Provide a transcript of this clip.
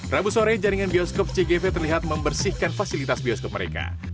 rabu sore jaringan bioskop cgv terlihat membersihkan fasilitas bioskop mereka